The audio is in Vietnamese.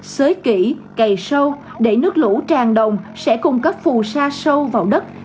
sới kỹ cày sâu để nước lũ tràn đồng sẽ cung cấp phù sa sâu vào đất